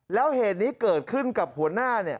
แล้วเหตุนี้เกิดขึ้นกับหัวหน้าเนี่ย